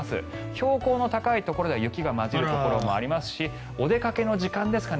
標高の高いところでは雪が交じるところもありますしお出かけの時間ですかね